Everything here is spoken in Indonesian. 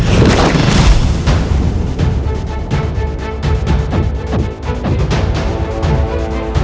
jurus pedang serib